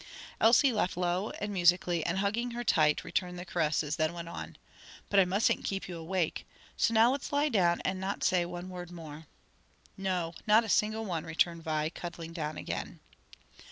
Elsie laughed low and musically and hugging her tight returned the caresses, then went on, "But I mus'n't keep you awake. So now let's lie down and not say one word more." "No; not a single one," returned Vi, cuddling down again.